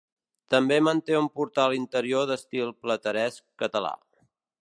També manté un portal interior d'estil plateresc català.